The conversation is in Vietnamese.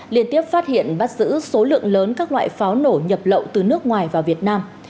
liên tiếp phát hiện bắt giữ số lượng lớn các loại pháo nổ nhập lậu từ nước ngoài vào việt nam